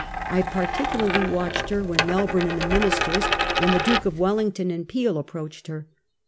I particularly watched her when Melbourne; and the mini sters, and the Duke of Wellington and Peel approached her.